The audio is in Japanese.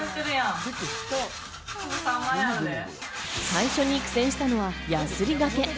最初に苦戦したのはやすりがけ。